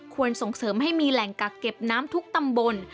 ส่งเสริมให้มีแหล่งกักเก็บน้ำทุกตำบล